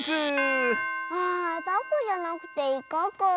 あタコじゃなくてイカかあ。